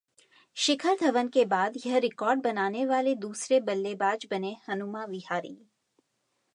शिखर धवन के बाद यह रिकॉर्ड बनाने वाले दूसरे बल्लेबाज बने हनुमा विहारी